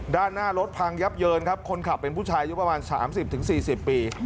ด้านหน้ารถพังยับเยินครับคนขับเป็นผู้ชายอายุประมาณ๓๐๔๐ปี